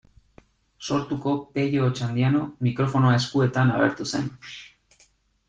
Sortuko Pello Otxandiano mikrofonoa eskuetan agertu zen.